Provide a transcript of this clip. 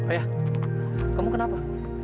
ayah kamu kenapa